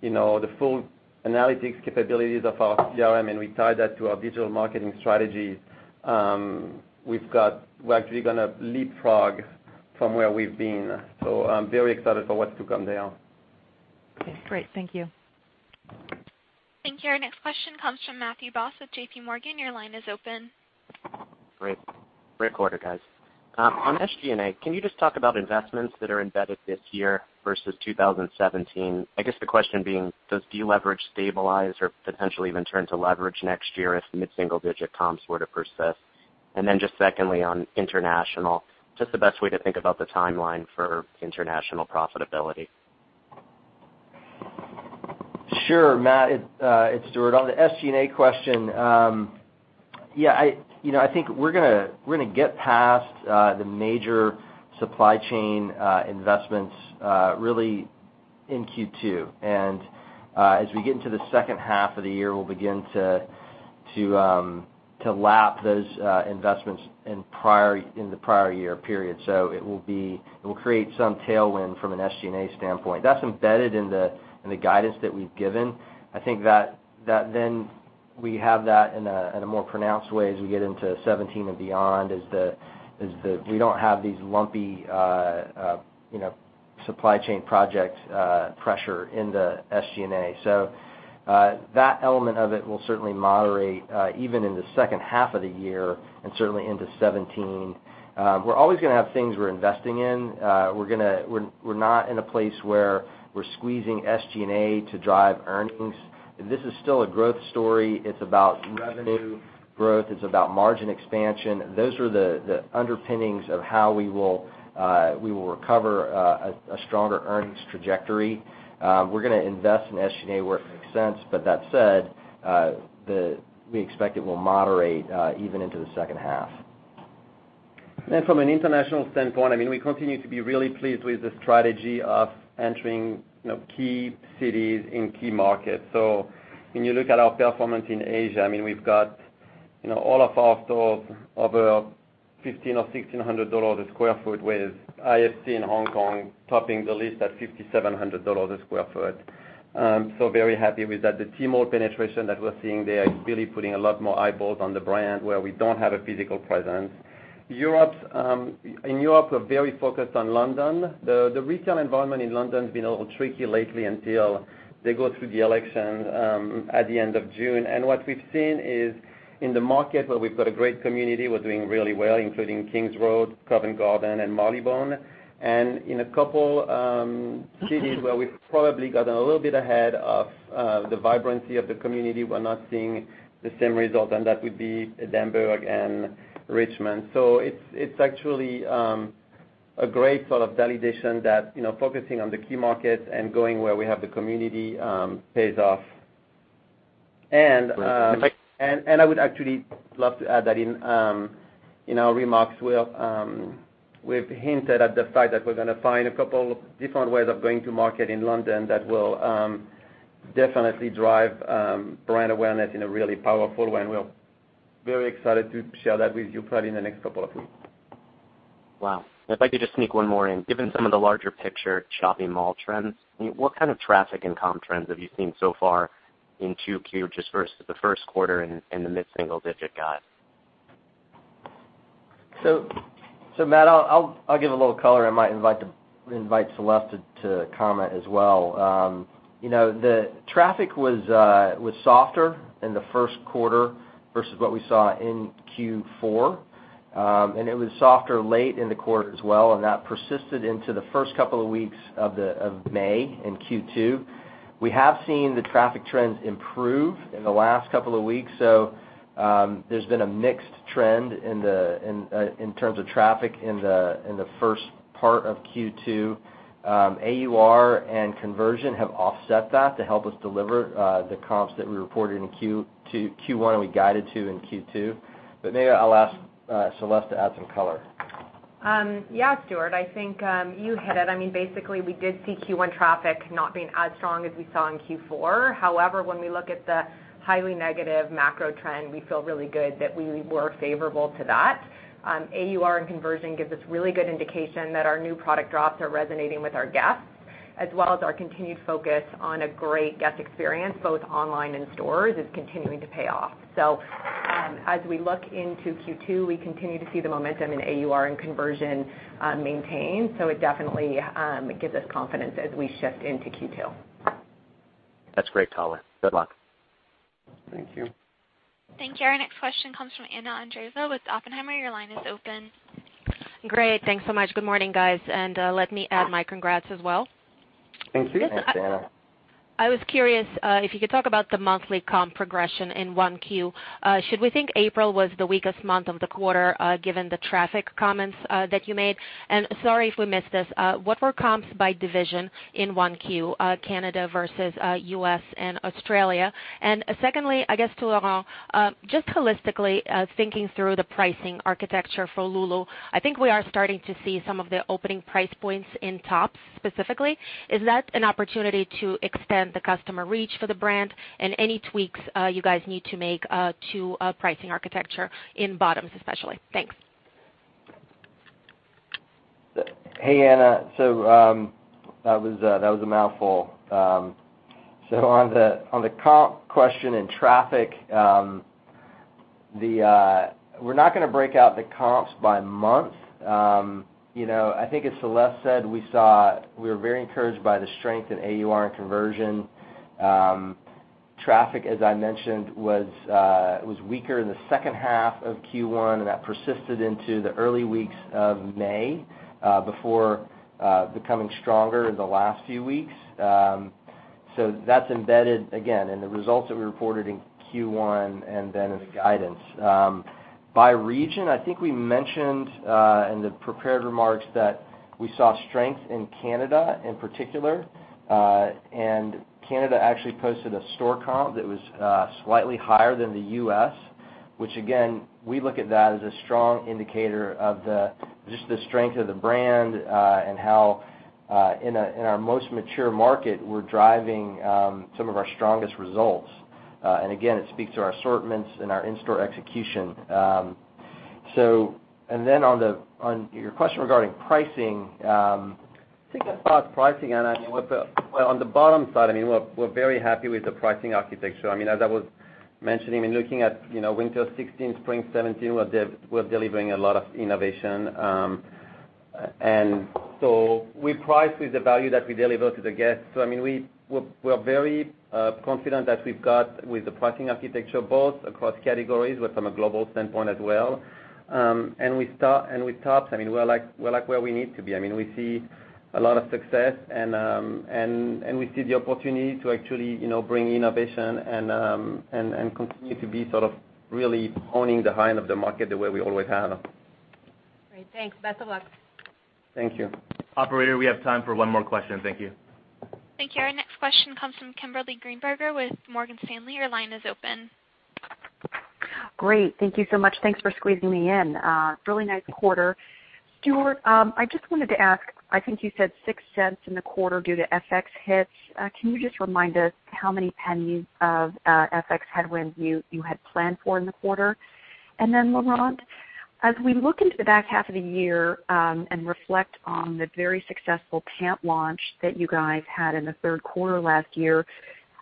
the full analytics capabilities of our CRM and we tie that to our digital marketing strategy, we're actually going to leapfrog from where we've been. I'm very excited for what's to come there. Okay, great. Thank you. Thank you. Our next question comes from Matthew Boss with JPMorgan. Your line is open. Great quarter, guys. On SG&A, can you just talk about investments that are embedded this year versus 2017? I guess the question being, does deleverage stabilize or potentially even turn to leverage next year if the mid-single digit comps were to persist? Secondly, on international, just the best way to think about the timeline for international profitability. Sure, Matt, it's Stuart. On the SG&A question, I think we're going to get past the major supply chain investments really in Q2. As we get into the second half of the year, we'll begin to lap those investments in the prior year period. It will create some tailwind from an SG&A standpoint. That's embedded in the guidance that we've given. I think that then we have that in a more pronounced way as we get into 2017 and beyond, as we don't have these lumpy supply chain project pressure in the SG&A. That element of it will certainly moderate, even in the second half of the year, and certainly into 2017. We're always going to have things we're investing in. We're not in a place where we're squeezing SG&A to drive earnings. This is still a growth story. It's about revenue growth, it's about margin expansion. Those are the underpinnings of how we will recover a stronger earnings trajectory. We're going to invest in SG&A where it makes sense, that said, we expect it will moderate even into the second half. From an international standpoint, we continue to be really pleased with the strategy of entering key cities in key markets. When you look at our performance in Asia, we've got all of our stores over $1,500 or $1,600 a square foot, with IFC in Hong Kong topping the list at $5,700 a square foot. Very happy with that. The Tmall penetration that we're seeing there is really putting a lot more eyeballs on the brand where we don't have a physical presence. In Europe, we're very focused on London. The retail environment in London's been a little tricky lately until they go through the election at the end of June. What we've seen is in the market where we've got a great community, we're doing really well, including Kings Road, Covent Garden, and Marylebone. In a couple cities where we've probably gotten a little bit ahead of the vibrancy of the community, we're not seeing the same result, and that would be Edinburgh and Richmond. It's actually a great sort of validation that focusing on the key markets and going where we have the community pays off. I would actually love to add that in our remarks, we've hinted at the fact that we're going to find a couple different ways of going to market in London that will definitely drive brand awareness in a really powerful way, and we're very excited to share that with you probably in the next couple of weeks. Wow. If I could just sneak one more in. Given some of the larger picture shopping mall trends, what kind of traffic and comp trends have you seen so far in 2Q just versus the first quarter and the mid-single digit guide? Matt, I'll give a little color. I might invite Celeste to comment as well. The traffic was softer in the first quarter versus what we saw in Q4. It was softer late in the quarter as well, and that persisted into the first couple of weeks of May in Q2. We have seen the traffic trends improve in the last couple of weeks, there's been a mixed trend in terms of traffic in the first part of Q2. AUR and conversion have offset that to help us deliver the comps that we reported in Q1, and we guided to in Q2. Maybe I'll ask Celeste to add some color. Yeah, Stuart, I think you hit it. Basically, we did see Q1 traffic not being as strong as we saw in Q4. However, when we look at the highly negative macro trend, we feel really good that we were favorable to that. AUR and conversion gives us really good indication that our new product drops are resonating with our guests, as well as our continued focus on a great guest experience, both online and stores, is continuing to pay off. As we look into Q2, we continue to see the momentum in AUR and conversion maintained, so it definitely gives us confidence as we shift into Q2. That's great color. Good luck. Thank you. Thank you. Our next question comes from Anna Andreeva with Oppenheimer. Your line is open. Great. Thanks so much. Good morning, guys. Let me add my congrats as well. Thanks. Thanks, Anna. I was curious if you could talk about the monthly comp progression in 1Q. Should we think April was the weakest month of the quarter, given the traffic comments that you made? Sorry if we missed this. What were comps by division in 1Q, Canada versus U.S. and Australia? Secondly, I guess to Laurent, just holistically, thinking through the pricing architecture for Lulu, I think we are starting to see some of the opening price points in tops specifically. Is that an opportunity to extend the customer reach for the brand? Any tweaks you guys need to make to pricing architecture in bottoms especially? Thanks. Hey, Anna. That was a mouthful. On the comp question in traffic, we're not going to break out the comps by month. I think as Celeste said, we were very encouraged by the strength in AUR and conversion. Traffic, as I mentioned, was weaker in the second half of Q1, and that persisted into the early weeks of May, before becoming stronger in the last few weeks. That's embedded, again, in the results that we reported in Q1 and then in the guidance. By region, I think we mentioned in the prepared remarks that we saw strength in Canada in particular. Canada actually posted a store comp that was slightly higher than the U.S. Which again, we look at that as a strong indicator of just the strength of the brand, and how in our most mature market, we're driving some of our strongest results. Again, it speaks to our assortments and our in-store execution. On your question regarding pricing, I think about pricing, Anna, on the bottom side, we're very happy with the pricing architecture. As I was mentioning, looking at winter 2016, spring 2017, we're delivering a lot of innovation. We price with the value that we deliver to the guest. We're very confident that we've got with the pricing architecture, both across categories, but from a global standpoint as well. With tops, we're like where we need to be. We see a lot of success, and we see the opportunity to actually bring innovation and continue to be really owning the high end of the market the way we always have. Great. Thanks. Best of luck. Thank you. Operator, we have time for one more question. Thank you. Thank you. Our next question comes from Kimberly Greenberger with Morgan Stanley. Your line is open. Great. Thank you so much. Thanks for squeezing me in. Really nice quarter. Stuart, I just wanted to ask, I think you said $0.06 in the quarter due to FX hits. Can you just remind us how many pennies of FX headwind you had planned for in the quarter? Laurent, as we look into the back half of the year, and reflect on the very successful pant launch that you guys had in the third quarter last year,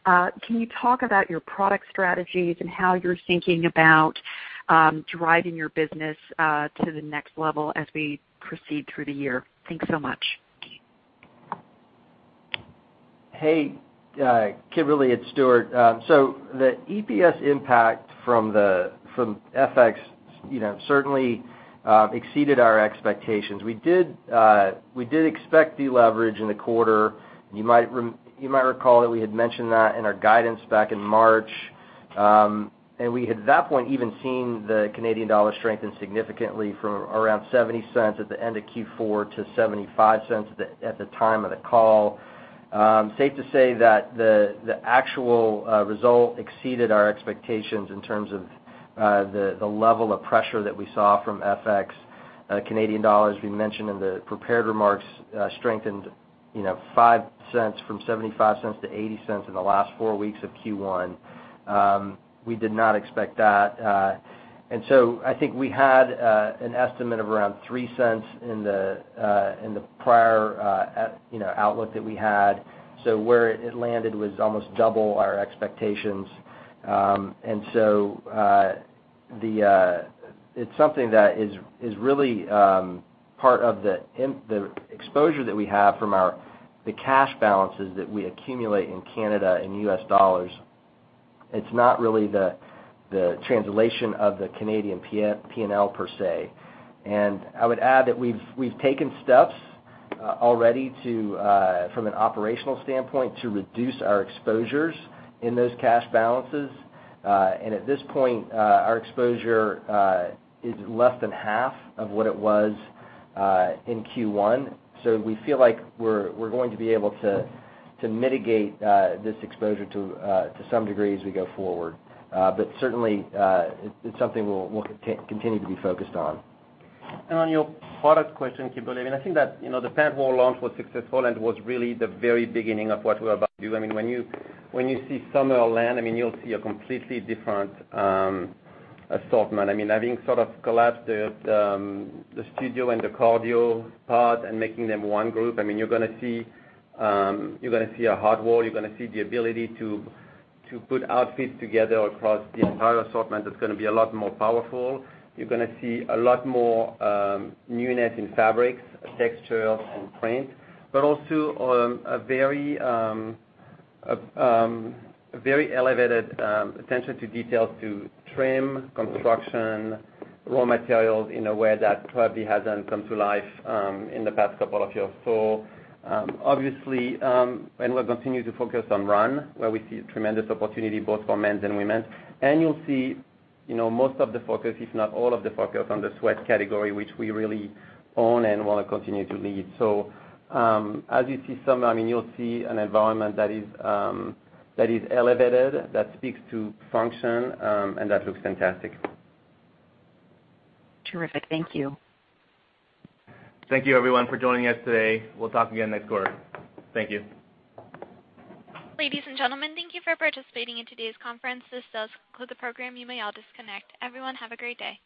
can you talk about your product strategies and how you're thinking about driving your business to the next level as we proceed through the year? Thanks so much. Hey, Kimberly, it's Stuart. The EPS impact from FX certainly exceeded our expectations. We did expect deleverage in the quarter. You might recall that we had mentioned that in our guidance back in March. We had, at that point, even seen the Canadian dollar strengthen significantly from around 0.70 at the end of Q4 to 0.75 at the time of the call. Safe to say that the actual result exceeded our expectations in terms of the level of pressure that we saw from FX. Canadian dollar, as we mentioned in the prepared remarks, strengthened 0.05 from 0.75 to 0.80 in the last four weeks of Q1. We did not expect that. I think we had an estimate of around 0.03 in the prior outlook that we had. Where it landed was almost double our expectations. It's something that is really part of the exposure that we have from the cash balances that we accumulate in Canada in U.S. dollars. It's not really the translation of the Canadian P&L, per se. I would add that we've taken steps already from an operational standpoint, to reduce our exposures in those cash balances. At this point, our exposure is less than half of what it was in Q1. We feel like we're going to be able to mitigate this exposure to some degree as we go forward. Certainly, it's something we'll continue to be focused on. On your product question, Kimberly, I think that the pant wall launch was successful and was really the very beginning of what we're about to do. When you see summer land, you'll see a completely different assortment. Having sort of collapsed the studio and the cardio part and making them one group, you're gonna see a hard wall. You're gonna see the ability to put outfits together across the entire assortment that's gonna be a lot more powerful. You're gonna see a lot more newness in fabrics, textures, and print, but also a very elevated attention to detail to trim, construction, raw materials in a way that probably hasn't come to life in the past couple of years. Obviously, we'll continue to focus on run, where we see tremendous opportunity both for men's and women's. You'll see most of the focus, if not all of the focus, on the sweat category, which we really own and want to continue to lead. As you see summer, you'll see an environment that is elevated, that speaks to function, and that looks fantastic. Terrific. Thank you. Thank you everyone for joining us today. We'll talk again next quarter. Thank you. Ladies and gentlemen, thank you for participating in today's conference. This does conclude the program. You may all disconnect. Everyone, have a great day.